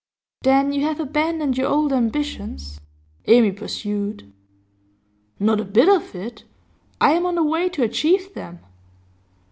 'Then you have abandoned your old ambitions?' Amy pursued. 'Not a bit of it. I am on the way to achieve them.